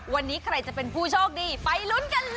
วันนี้ใครจะเป็นผู้โชคดีไปลุ้นกันเลย